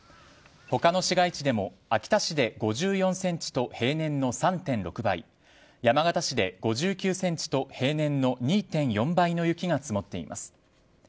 他の市街地でも秋田市で５４ｃｍと平年の３．６倍山形市で５９ｃｍと平年の２．４倍の雪が積もっています。